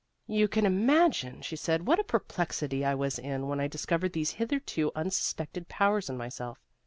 "You can imagine," she said, "what a perplexity I was in when I discovered these hitherto unsuspected powers in myself.